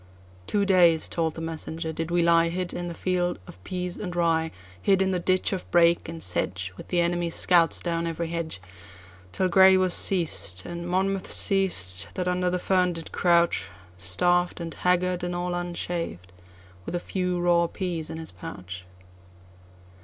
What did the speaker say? "Two days," told the messenger, "did we lieHid in the field of peas and rye, Hid in the ditch of brake and sedge, With the enemy's scouts down every hedge, Till Grey was seized, and Monmouth seized, that under the fern did crouch, Starved, and haggard, and all unshaved, with a few raw peas in his pouch."